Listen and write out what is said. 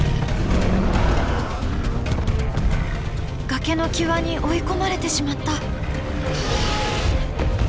崖の際に追い込まれてしまった。